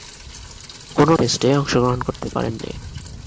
কোন টেস্টে অংশগ্রহণ করতে পারেননি।